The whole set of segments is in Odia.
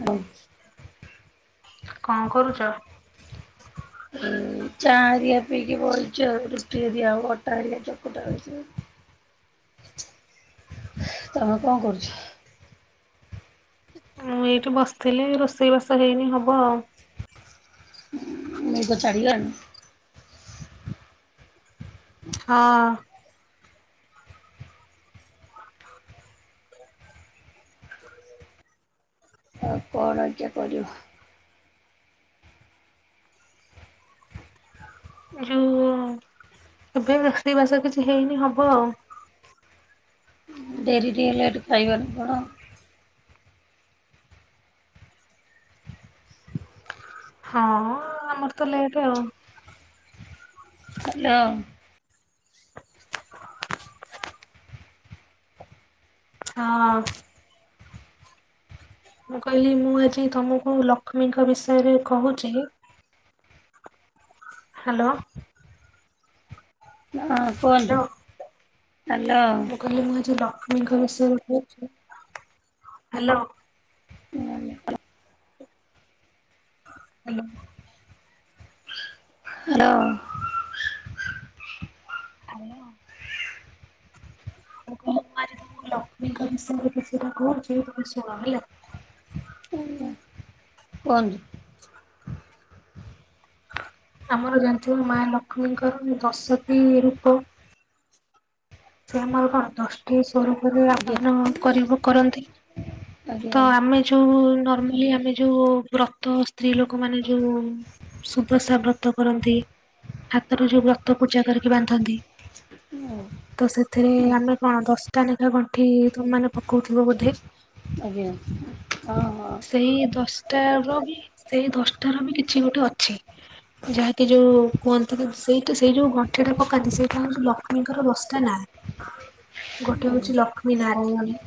ହଉ [inaudible] କଣ କରୁଛ? ଚା ହେରିକା ପିଇକି ବସିଚି ରୁଟି ହେରିକା ହବ ଅଟା ହେରିକା ଚକଟା ହେଉଛି। ତମେ କଣ କରୁଛ? ମୁଁ ଏଇଠି ବସିଥିଲି ରୋଷେଇ ବାସ ହେଇନି ହବ ଆଉ। ନ ଦଚାରନ [inaudible] ହଁ। କଣଜ୍ଞା କରୁ [unintelligible] ଯୋଉ ଏବେ ରୋଷେଇ ବାସ କିଛି ହେଇନି ହବ ଆଉ। ଡେରି ଟିକେ ଲେଟ୍ ଖାଇବାକୁ ତ। ହଁ ଆମର ତ ଲେଟେ ଆଉ। ହାଲୋ। ହଁ। ମୁଁ କହିଲି, ମୁଁ ଆଜି ତମକୁ ଲକ୍ଷ୍ମୀଙ୍କ ବିଷୟରେ କହୁଛି। ହାଲୋ। ହଁ କୁହନ୍ତୁ। Hello hello. ମୁଁ କହିଲି ମୁଁ ଆଜି ଲକ- [unintelligible] [unintelligible] ହାଲୋ ହୁଁ [inaudible] ହାଲୋ। ହାଲୋ। ହାଲୋ। କୋ କୁଆରୀରୁ ଲକ୍ଷ୍ମୀଙ୍କ ବିଷୟରେ କିଛିଟା କହୁଚି ତମେ ଶୁଣ ହେଲା। କୁହନ୍ତୁ। ଆମର ଜାଣିଥିବ ମାଲକ୍ଷ୍ମୀଙ୍କର ଦଶଟି ରୂପ। ସେ ମୋର କନ୍ତୁଷ୍ଟ। ଶକ୍ତି ସରୂପରେ ଆଜ୍ଞା ଆପନ କରିବୁ କରନ୍ତି ଆଜ୍ଞା। ତ ଆମେ ଯୋଉ ନର୍ମାଲି ଆମେ ଯୋଉ ବ୍ରତ ସ୍ତ୍ରୀ ଲୋକମାନେ ଯୋଉ ସୁଦଶା ବ୍ରତ କରନ୍ତି, ହାତରୁ ଯୋଉ ବ୍ରତ ପୂଜା କରିକି ବାନ୍ଧନ୍ତି। ଉଁ। ତ ସେଥିରେ ଆମେ କଣ ଦଶଟା ଲେଖା ଗଣ୍ଠି ତମେ ମାନେ ପକଉଥିବ ବୋଧେ ଆଜ୍ଞା ହଁ ହଁ। ସେଇ ଦଶଟାର ବି ସେଇ ଦଶଟାର ବି କିଛି ଗୋଟେ ଅଛି। ଯାହାକି ଯୋଉ କୁହନ୍ତି। କି ସେଇଟା ସେଇ ଯୋଉ ଗଣ୍ଠିଟା ପକାନ୍ତି। ସେଇଟାଲକ୍ଷ୍ମୀଙ୍କର ଦଶଟା ନା। [unintelligible] ଗୋଟେ ହଉଛି ଲକ୍ଷ୍ମୀ ନାରାୟଣୀ,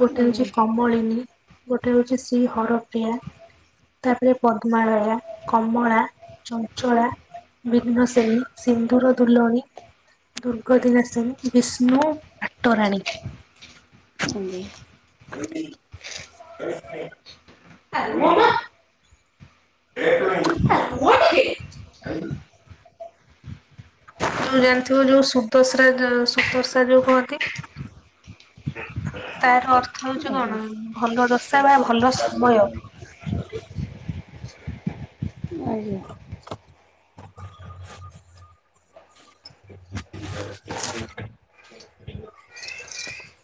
ଗୋଟେ ହଉଛି କମଳିନୀ ଗୋଟେ ହଉଛି ଶ୍ରୀ ହରପ୍ରିୟା। ତାପରେ ପଦ୍ମାଳୟ, କମଳା, ଚଞ୍ଚଳା ବିଘ୍ନ ସେନି, ସିନ୍ଧୁର ଦୁଲଣୀ ଦୁର୍ଗତି ନାସିନୀ, ବିଷ୍ଣୁ ପାଟରାଣୀ ଅମ୍ବେ। କଉଠି। [inaudible] ଆମର। [unintelligible] ଯୋଉ ଜାଣିଥିବ, ଯୋଉ ସୁଦଶ୍ରା, ସୁଦଶ୍ରା ଯୋଉ କହନ୍ତି। ତାର ଅଥ କଥା ହଉଛି ଆଜ୍ଞା କଣ ଭଲ ଦଶା ବା ଭଲ ସମୟ ଆଜ୍ଞା। [unintelligible] [unintelligible]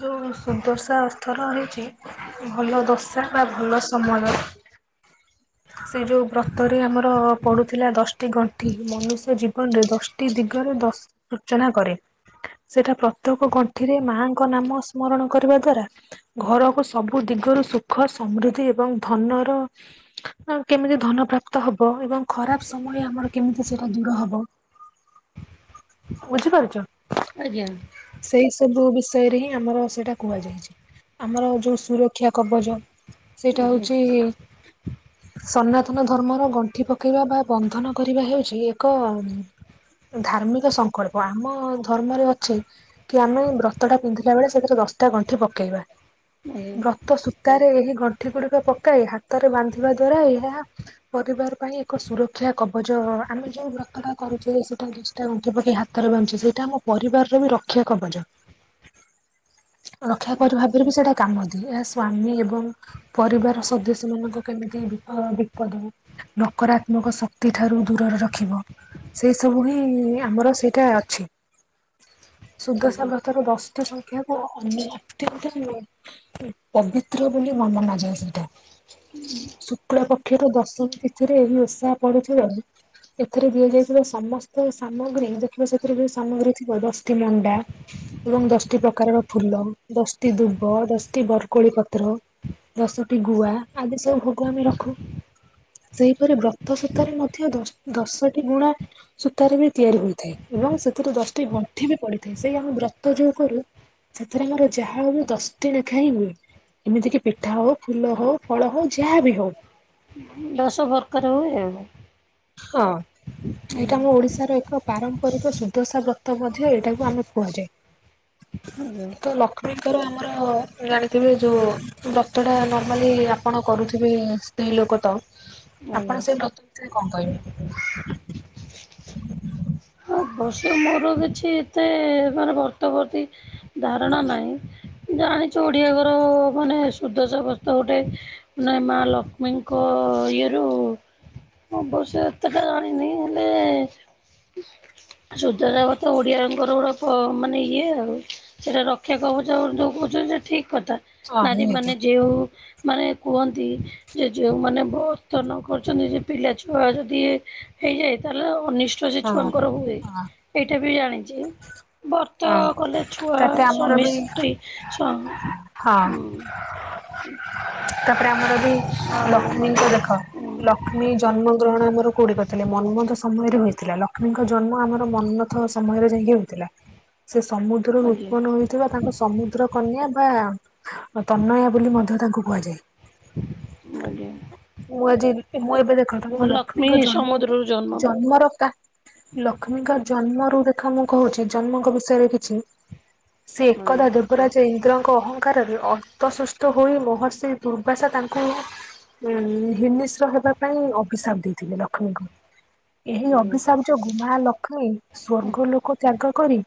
ଯୋଉ ସୁଦର୍ଶା ଅର୍ଥ ର ହେଇଛି ଭଲ ଦଶା ବା ଭଲ ସମୟ। ସେ ଯୋଉ ବ୍ରତରେ ଆମର ପଡୁଥିଲା ଦଶଟି ଗଣ୍ଠି, ମନୁଷ୍ୟ ଜୀବନରେ ଦଶଟି ଦିଗରେ ଦଶ ଅର୍ଚନା କରେ। ସେଟା ପ୍ରତ୍ୟେକ ଗଣ୍ଠିରେ ମାଙ୍କ ନାମ ସ୍ମରଣ କରିବା ଦ୍ଵାରା ଘରକୁ ସବୁ ଦିଗରୁ ସୁଖ ସମୃଦ୍ଧି ଏବଂ ଧନର କେମିତି ଧନ ପ୍ରାପ୍ତ ହବ ଏବଂ ଖରାପ ସମୟ ଆମର କେମିତି ସେଇଟା ଦୂର ହବ। [unintelligible] ବୁଝିପାରୁଚ। ଆଜ୍ଞା! ସେଇ ସବୁ ବିଷୟରେ ହିଁ ଆମର ସେଇଟା କୁହାଯାଇଚି। ଆମର ଯୋଉ ସୁରକ୍ଷା କବଚ ସେଇଟା ହଉଚି। ସନାତନ ଧର୍ମର ଗଣ୍ଠି ପକେଇବା ବା ବନ୍ଧନ କରିବା ହେଉଛି ଏକ ଧାର୍ମିକ ସଂକଳ୍ପ ଆମ ଧର୍ମରେ ଅଛି କି ଆମେ ବ୍ରତ ଟା ପିନ୍ଧିଲା ବେଳେ ସେଥିରେ ଦଶଟା ଗଣ୍ଠି ପକେଇବା। ବ୍ରତ ସୂତାରେ ଏହି ଗଣ୍ଠି ଗୁଡିକ ପକାଇ ହାତରେ ବାନ୍ଧିବା ଦ୍ଵାରା ଏହା ପରିବାର ପାଇଁ ଏକ ସୁରକ୍ଷା କବଚ ଆମେ ଯୋଉ ବ୍ରତଟା କରୁଚେ ସେଟା [unintelligible] ଟା [unintelligible] ତ ରେ ବାନ୍ଧିଚେ ସେଇଟା ଆମ ପରିବାରର ବି ରକ୍ଷା କବଚ। ରକ୍ଷା କବଚ ଭାବରେ ବି ସେଇଟା କାମ ଦିଏ, ଏହା ସ୍ଵାମୀ ଏବଂ ପରିବାର ସଦସ୍ୟ ମାନଙ୍କ କେମିତି ବିପ ବିପଦରୁ ନକରାତ୍ମକ ଶକ୍ତି ଠାରୁ ଦୂରରେ ରଖିବ। ସେଇ ସବୁ ହିଁ ଆମର ସେଇଟା ଅଛି, ଆଜ୍ଞା ସୁଦଶା ବ୍ରତର ଦଶଟା [unintelligible] କୁ ଅନେ ଅତ୍ୟନ୍ତ ପବିତ୍ର ବୋଲି ମନାଯାଏ ସେଇଟା। ଶୁକ୍ଳ ପକ୍ଷରୁ ଦଶମୀ ତିଥିରେ ଏହି ଓଷା ପଡୁଥିବାରୁ ଏଥିରେ ଦିଆଯାଇଥିବା ସମସ୍ତ ସାମଗ୍ରୀ ଦେଖିବ ସେଥିରେ ଯୋଉ ସାମଗ୍ରୀ ଥିବ ଦଶଟି ମଣ୍ଡା ଏବଂ ଦଶଟି ପ୍ରକାରର ଫୁଲ, ଦଶଟି ଦୁବ, ଦଶଟି ବରକୋଳି ପତ୍ର ଦଶଟି ଗୁଆ ଆଦି ସବୁ ଭୋଗ ଆମେ ରଖୁ। ସେହିପରି ବ୍ରତ ସୁତାରେ ମଧ୍ୟ ଦଶ୍ ଦଶଟି ଗୁଣା ସୂତାରେ ବି ତିଆରି ହୋଇଥାଏ ଏବଂ ସେଥିରେ ଦଶଟି ଗଣ୍ଠି ବି ପଡିଥାଏ, ସେଇ ଆମେ ବ୍ରତ ଯୋଉ କରୁ ସେଥିରେ ଆମର ଯାହା ହବ ଦଶଟି ନେଖା ହିଁ ହୁଏ, ଏମିତିକି ପିଠା ହଉ ଫୁଲ ହଉ ଫଳ ହଉ ଯାହା ବି ହଉ ଦଶ ପର୍କାର ହୁଏ ଆଉ। ହଁ। ହୁଁ ଏଇଟା ଆମ ଓଡିଶାର ଏକ ପାରମ୍ପରିକ ସୁଦଶା ବ୍ରତ ମଧ୍ୟ ଏଇଟାକୁ ଆମେ କୁହାଯାଏ। ଆଜ୍ଞା ତ ଲକ୍ଷ୍ମୀଙ୍କର ଆମର ଜାଣିଥିବେ ଯୋଉ ବ୍ରତଟା ନର୍ମାଲି ଆପଣ କରୁଥିବେ ସ୍ତ୍ରୀ ଲୋକ ତ ଆଜ୍ଞା। ଆପଣ ସେଇ ବ୍ରତ [unintelligible] କଣ କହିବେ? ଅବଶ୍ୟ ମୋର କିଛି ସେ ମାନେ ବର୍ତ ପ୍ରତି ଧାରଣା ନାଇଁ, ଜାଣିଚୁ ଓଡ଼ିଆ ଘର ମାନେ ସୁଦଶା ବ୍ରତ ଗୋଟାଏ ନା ମା ଲକ୍ଷ୍ମୀଙ୍କ ଇଏରୁ ଅବଶ୍ୟ ଏତେଟା ଜାଣିନି ହେଲେ ସୁଦଶା ବ୍ରତ ଓଡିଆଙ୍କର ଗୋଟାଏ ପ ମାନେ ଇଏ ଆଉ। ସେଟା ରକ୍ଷା କବଚ ଯୋଉ କହୁଚନ୍ତି ସେଇଟା ଠିକ କଥା, ହଁ ନାରୀ ନିହାତି ମାନେ ଯେଉ ମାନେ କୁହନ୍ତି ଯେ ଯେଉଁମାନେ ବ୍ରତ ନ କରୁଚନ୍ତି ସେ ପିଲା ଛୁଆ ଯଦି ଏ ହେଇଯାଏ ତାହେଲେ ଅନିଷ୍ଟ ସେ ହଁ ଛୁଆଙ୍କର ହୁଏ, ହଁ। ଏଇଟା ବି ଜାଣିଚି। ବର୍ତ ହଁ। କଲେ ଛୁଆ ତାପରେ ଆମର ସ୍ୱାମୀ ବି ସ୍ତ୍ରୀ ସ୍ୱା ହଁ ହୁଁ ତାପରେ ଆମର ବି ଆଉ ମା ଲକ୍ଷ୍ମୀଙ୍କୁ ଦେଖ ହୁଁ ଲକ୍ଷ୍ କ୍ଷ୍ମୀ ଜନ୍ମ ଗ୍ରହଣ ଆମର କୋଉଠି କରିଥିଲେ, ମନ୍ମଥ ସମୟରେ ହୋଇଥିଲା ଲକ୍ଷ୍ମୀଙ୍କ ଜନ୍ମ ଆମର ମନ୍ମଥ ସମୟରେ ଯାଇଁକି ହୋଇଥିଲା, ସେ ସମୁଦ୍ରରୁ ଆଜ୍ଞା ଉତ୍ପନ ହୋଇଥିବା ତାଙ୍କୁ ସମୁ ଦ୍ର କନ୍ୟା ବା ତନୟା ବୋଲି ମଧ୍ୟ ତାଙ୍କୁ କୁହାଯାଏ। [unintelligible] ମୁଁ ଆଜି ମୁଁ ଏବେ ଦେଖନ୍ତୁ ମୁଁ ଲକ୍ଷ୍ମୀ ଲକ୍ଷ୍ମୀଙ୍କ ଜନ୍ମ ସମୁଦ୍ରରୁ ଜନ୍ମ ପା। ଜନ୍ମର କା ଲ କ୍ଷ୍ମୀଙ୍କ ଜନ୍ମରୁୁ ଦେଖ ମୁଁ କହୁଚି ଜନ୍ମଙ୍କ ବିଷୟରେ କିଛି ସେ ଏକଦା ଦେବରାଜ ଇନ୍ଦ୍ରଙ୍କ ଅହଂଙ୍କାରରେ ଅ [unintelligible] ହୋଇ ମହର୍ଷି ଦୁର୍ବାସା ତାଙ୍କୁ ଉଁ ହିନିଶ୍ର ହେବା ପାଇଁ ଅଭିଶାପ୍ ଦେଇଥିଲେ ଲକ୍ଷ୍ମୀଙ୍କୁ। ଏହି ଅଭିଶାପ ଯୋଗୁ ମା [unintelligible] ସ୍ଵର୍ଗ ଆଜ୍ଞା। ଲୋକ ତ୍ୟାଗ କରି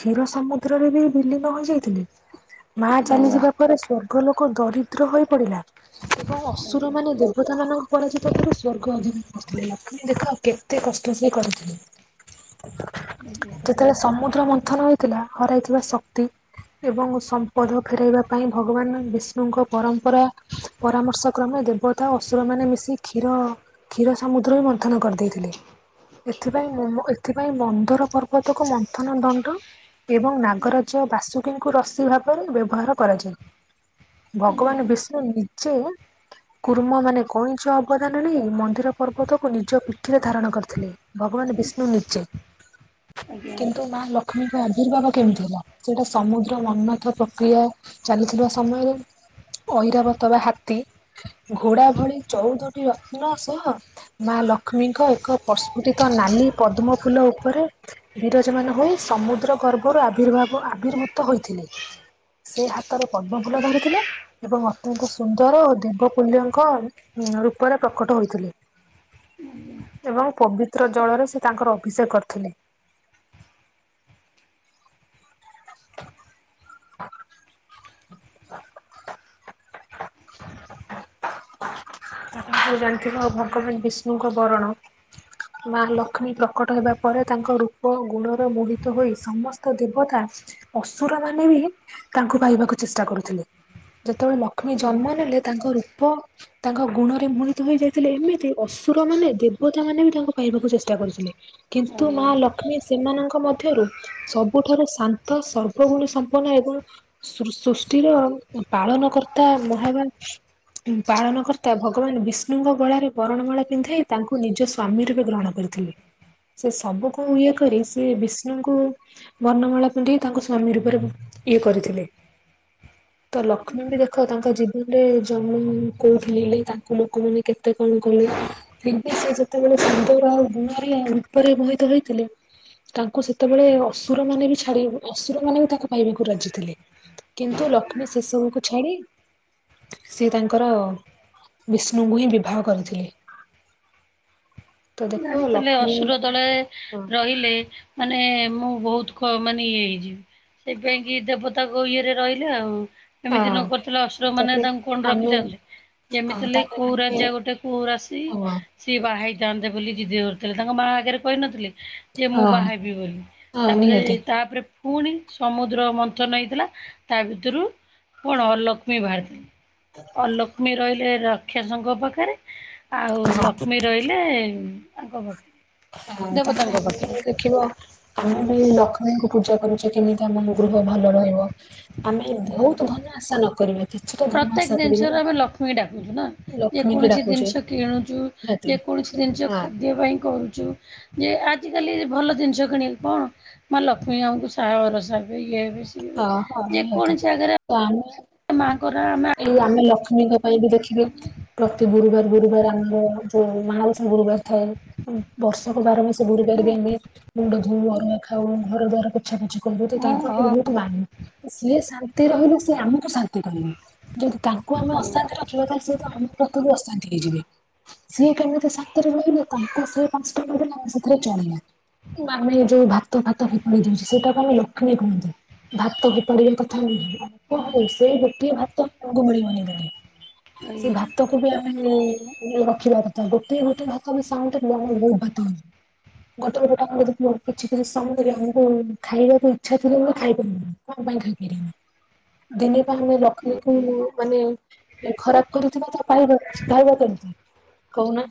କ୍ଷୀର ସମୁଦ୍ର ରେ ବି ବିଲୀନ ହୋଇଯାଇଥିଲେ। ମା ଚାଲିଯିବା ପରେ ସ୍ୱର୍ଗ ଲୋକ ଦରିଦ୍ର ହୋଇ ପଡିଲା ଏବଂ [unintelligible] ଆଜ୍ଞା ଦେବତା ମାନଙ୍କୁ [unintelligible] ପକ୍ଷରୁ ସ୍ଵର୍ଗ ଅଧିକନ କରୁଥିଲେ ମାନେ ଦେଖ କେ କେତେ କଷ୍ଟ ସେ କରିଥିଲେ, ଆଜ୍ଞା ଯେତେବେଳେ‌ ସମୁଦ୍ର ମନ୍ଥନ ହେଇଥିଲା ହରାଇଥିବା ଶକ୍ତି। ଏବଂ ସମ୍ପଦ ଫେରାଇବା ପାଇଁ ଭଗବାନ ବିଷ୍ଣୁଙ୍କ ପରମ୍ପରା ପରାମର୍ଶ କ୍ରମେ ଦେବତା ଅସୁର ମାନେ ମିଶି କ୍ଷୀର କ୍ଷୀର ସମୁଦ୍ର ବି ମନ୍ଥନ କରିଦେଇଥିଲେ। ଏଥିପାଇଁ ମ ଏଥିପାଇଁ ମନ୍ଦର ପର୍ବତକୁ ମନ୍ଥନ ଦଣ୍ଡ ଏବଂ ନାଗରାଜ ବାସୁକୀଙ୍କୁ ରସି ଭାବରେ ବ୍ୟବହାର କରାଯାଏ। ଭଗବାନ ବିଷ୍ଣୁ ନିଜେ କୁର୍ମ ମାନେ କଇଁଛ ଅବଦାନ ନେଇ ମନ୍ଦର ପର୍ବତକୁ ନିଜ ପିଠିରେ ଧାରଣ କରିଥିଲେ। ଭଗବାନ ବିଷ୍ଣୁ ନିଜେ। ଆଜ୍ଞା କିନ୍ତୁ ମା ଲକ୍ଷ୍ କ୍ଷ୍ମୀଙ୍କ ଆବିର୍ଭାବ କେମିତି ହେଲା ସେଟା ସମୁଦ୍ର ମନମଥ ପ୍ରକ୍ରିୟା ଚାଲିଥିବା ସମୟରେ। ଐରାବତ ବା ହାତୀ, ଘୋଡା ଭଳିଚଉଦଟି ରତ୍ନ ସହ ମା ଲକ୍ଷ୍ମୀଙ୍କ ଏକ ପ୍ରସ୍ଫୁଟିତ ନାଲି ପଦ୍ମ ଫୁଲ ଉପରେ ବିରଜମାନ ହୋଇ ସମୁଦ୍ର ଗର୍ଭରୁ ଆବିର୍ଭାବ ଆବିର୍ଭୁତ ହୋଇଥିଲେ। ସେ ହାତର ପଦ୍ମ ଫୁଲ ଧରିଥିଲେ ଏବଂ ଅତ୍ୟନ୍ତ ସୁନ୍ ର ଦେବପୁଲ୍ୟଙ୍କ ରୂପରେ ପ୍ରକଟ ହୋଇଥିଲେ। [unintelligible] ଏବଂ ପବିତ୍ର ଜଳରେ ସେ ତାଙ୍କର ଅଭିଷେକ କରିଥିଲେ। [inaudible] [inaudible] ଜାଣିଥିବ ଭଗବାନ ବିଷ୍ଣୁଙ୍କ ବରଣ। ମା ଲକ୍ଷ୍ମୀ ପ୍ରକଟ ହେବା ପରେ ତାଙ୍କ ରୂପ ଗୁଣରେ ମୋହିତ ହୋଇ ସମସ୍ତ ଦେବତା ଅସୁର ମାନେ ବି ତାଙ୍କୁ ପାଇବାକୁ ଚେଷ୍ଟା କରୁଥିଲେ ଯେତେବେଳେ ଲକ୍ଷ୍ ଲକ୍ଷ୍ମୀ ଜନ୍ମ ଆଜ୍ଞା ନେଲେ ତାଙ୍କ ରୂପ ତାଙ୍କ ଗୁଣରେ ମୋହିତ ହେଇ ଯାଇଥିଲେ ଏମିତି ଅସୁର ମାନେ ଦେବତା ମାନେ ବି ତାଙ୍କୁ ପାଇବାକୁ ଚେଷ୍ଟା କରୁଥିଲେ। କିନ୍ତୁ ଆଜ୍ଞା। ମାଲକ୍ଷ୍ମୀ ସେମାନଙ୍କ ମଧ୍ୟରୁ ସବୁଠାରୁ ଶାନ୍ତ ସର୍ବ ଗୁଣ ସମ୍ପନ୍ନ ଏବଂ ସୃ ସୃଷ୍ଟିର ପାଳନ କର୍ତ୍ତା ମହା ପାଳନକର୍ତ୍ତା ଭଗବାନ ବିଷ୍ଣୁଙ୍କ ଗଳାରେ ବରଣମାଳା ପିନ୍ଧାଇ ତାଙ୍କୁ ନିଜ ସ୍ଵାମୀ ରୂପେ ଗ୍ରହଣ କରିଥିଲେ। ସେ ସବୁକୁ ଇଏ କରି ସେ ବିଷ୍ଣୁଙ୍କୁ ବର୍ଣ୍ଣମାଳା ପିନ୍ଧେଇ ତାଙ୍କୁ ସ୍ଵାମୀ ରୂପରେ ଇଏ କରିଥିଲେ। ତ ଲକ୍ଷ୍ମୀ ବି ଦେଖ ତାଙ୍କ ଜୀବନରେ ଜମୁନ୍ କୋଉଥିଲି ହେଲେ ତାଙ୍କୁ ଲୋକମାନେ କେତେ କଣ କଲେ। ସେ ଯେତେବେଳେ ସୁନ୍ଦର ଆଉ ଗୁଣରେ ରୂପରେ ମୋହିତ ହେଇଥିଲେ। ତାଙ୍କୁ ସେତେବେଳେ ଅସୁର ମାନେ ବି ଛାଡି ଅସୁର ମାନେ ବି ତାଙ୍କୁ ପାଇବାକୁ ରାଜି ଥିଲେ। କିନ୍ତୁ ଲକ୍ଷ୍ମୀ ସେସବୁକୁୁ ଛାଡି ସେ ତାଙ୍କର ବିଷ୍ଣୁଙ୍କୁ ହିଁ ବିବାହ କରିଥିଲେ। ତ ଦେଖ ଜାଣିଥିଲେ ଲକ୍ଷ୍ମୀ ଅସୁର ଦଳେ ହଁ ରହିଲେ ମାନେ ମୁଁ ବହୁତ ମାନେ ଇଏ ହେଇଯିବି। ସେଇ ପାଇଁ କିି ଦେବତାକ ଇଏରେ ରହିଲେ ଆଉ। ଏମିତି ହଁ ନ କରିଥିଲେ ଅସୁରମାନେ ତାପରେ ତାଙ୍କୁ କଣ ଆମେ ରଖିଥାନ୍ତେ। ହଁ ଯେମିତିହେଲେ ତାପରେ କଉ ଆମେ ରାଜା ଗୋଟେ କୂଉ ରାସି। ହଁ ସିଏ ବାହା ହେଇଥାନ୍ତେ ବୋଲି ଜିଦି ଧରିଥିଲେ ତାଙ୍କ ମା ଆଗରେ କହିନଥିଲେ। ଯେ ମୁଁ ହଁ ବାହା ହେବି ବୋଲି ହଁ ତାପରେ ନିହାତି ତାପରେ ପୁଣି ସମୁଦ୍ର ମନ୍ଥନ ହେଇଥିଲା ତା ଭିତରୁ କଣ ଅଲକ୍ଷ୍ମୀ ବାହାରିଚନ୍ତିି। ଅଲକ୍ଷ୍ମୀ ରହିଲେ ରକ୍ଷାସଙ୍କ ପାଖରେ ଆଉ ଲକ୍ଷ୍ମୀ ରହିଲେ ଆଙ୍କ ପାଖରେ। ହ ତା ଦେବତାଙ୍କ ପାଖରେ [unintelligible] ଦେଖିବ। ଆମେ ବି ଲକ୍ଷ୍ମୀଙ୍କୁ ପୂଜା କରୁଛେ। କେମିତି ଆମ ଗୃହ ଭଲ ରହିବ। ଆମେ ଏମିତି ବହୁତ ଧନ ଆଶା ନକରିବା କିଛି ତ ଧନ ପ୍ରତ୍ୟେକ ଆଶା କରିବା। ଜିନିଷରେ ଆମେ ଲକ୍ଷ୍ମୀ ଡାକୁଛୁ ନା ଲକ୍ଷ୍ମୀକି ଯେକୌଣସି ଡାକୁଛେ ଜିନିଷ କିଣୁଚୁ, ନିହାତି ଯେ କୌଣସି ଜିନିଷ ହଁ ଖାଦ୍ୟ ପାଇଁ କରୁଚୁ ୟେ ଆଜିକାଲି ଭଲ ଜିନିଷ କିଣିବ କଣ ମା ଲକ୍ଷ୍ମୀ ଆମକୁ ସାହାଭରସା ହେବେ ଇଏ ହେବେ ସିଏ ହେବେ। ହଁ [inaudible] ହଁ ନିହାତି ତ ଆମେ ମା ଙ୍କର ଆମେ ଆଗେଇ ଦଉଚୁ। କେବେ ବି ଦେଖିଦଉ ପ୍ରତି ଗୁରୁବାର ଗୁରୁବାର ଆମର ଯୋଉ ମାଣବସା ଗୁରୁବାର ଥାଏ। ବର୍ଷକ ବାର ମାସ ଗୁରୁବାର ପାଇଁ ହୁଏ ମୁଣ୍ଡ ଧୋଉ, ଅରୁଆ ଖାଉ, ଘର ଦ୍ୱାର ପୋଛା ପୋଛି ସବୁତ ହଁ ତାଙ୍କର ବହୁତ [unintelligible] ସିଏ ଶାନ୍ତି ରହିଲେ ସିଏ ଆମକୁ ଶାନ୍ତି କରିବେ। ଯଦି ତାଙ୍କୁ ଆମେ ଅଶାନ୍ତି ରଖିବା ତାହେଲେ ସେ ତ ଆମ [unintelligible] ପ୍ରଥରୁ ଅଶାନ୍ତି ହେଇଯିବେ। ସିଏ କେମିତି ଶାନ୍ତିରେ ରହିବେ ତାଙ୍କ ସେ କଷ୍ଟେରେ ସେଥିରେ ଚଳିବ। ଆମେ ଯୋଉ ଭାତ ଫାତ ଫୋପାଡ଼ି ଦଉଚେ ସେଇଟାକୁ ଆମେ ଲୋ [unintelligible] କୁହନ୍ତି ଭାତ ଫୋପାଡିବା କଥା ନୁହେଁ ସେ ଗୋଟିଏ ଭାତ ଅପଣଙ୍କୁ ମିଳିବନି [unintelligible] ସେ ଭାତ [unintelligible] ଆମେ ରଖିବା କଥା ଗୋଟେ ଗୋଟେ ଭାତ ବି ସାଉଁଟି ବହୁତ ଭାତ ହବ। ଗୋଟେ ଗୋଟେ [unintelligible] କିଛି କିଛି ସମୟରେ ଆମକୁ ଖାଇବାକୁ ଇଚ୍ଛା ଥିଲେ ମୁଁ ଖାଇପାରୁବୁନି। କଣ ପାଇଁ ଖାଇପାରିବୁନି ଦିନେ ପା ଆମେ ଲକ୍ଷ୍ମୀ ଙ୍କୁ ହଁ ମୁଁ ମାନେ ଖରାପ କରିଥିବା ତା ପାଇବା ପାଇବା କେମିତି କହୁନା